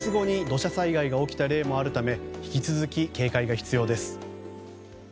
過去には豪雨から数日後に土砂災害が起きた例もあるため引き続き警戒が必要です。